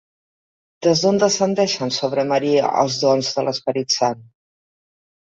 Des d'on descendeixen sobre Maria els dons de l'Esperit Sant?